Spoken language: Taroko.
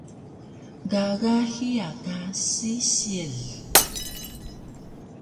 Gaga hiya ka sisil?